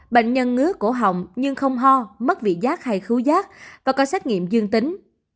bệnh nhân ngứa cổ họng nhưng không ho mất vị giác hay khứu rác và có xét nghiệm dương tính